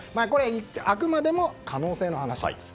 あくまでも可能性の話です。